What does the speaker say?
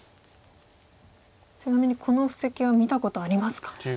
ちなみにこの布石は見たことありますか？